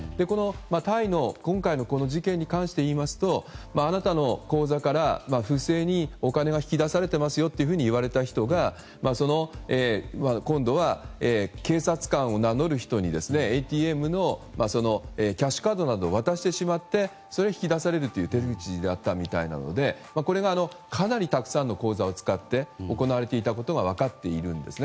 タイの今回のこの事件に関して言いますとあなたの口座から不正にお金が引き出されていますよといわれた人が、今度は警察官を名乗る人にＡＴＭのキャッシュカードなどを渡してしまってそれで引き出されるという手口だったのでこれがかなりたくさんの口座を使って行われていたことが分かっているんですね。